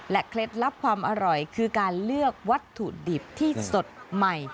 เคล็ดลับความอร่อยคือการเลือกวัตถุดิบที่สดใหม่